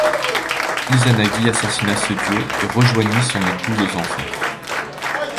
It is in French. Izanagi assassina ce dieu et rejoignit son épouse aux enfers.